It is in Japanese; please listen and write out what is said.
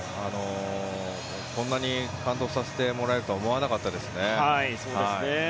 こんなに感動させてもらえるとは思わなかったですね。